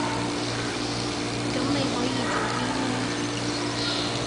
噉你可以做啲咩？